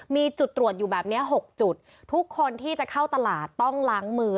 มีจุดตรวจอยู่แบบนี้๖จุดทุกคนที่จะเข้าตลาดต้องล้างมือ